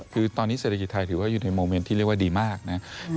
คือตอนนี้เศรษฐกิจไทยถือว่าอยู่ในโมเมนต์ที่เรียกว่าดีมากนะ